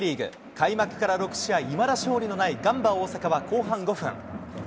開幕から６試合、いまだ勝利のないガンバ大阪は後半５分。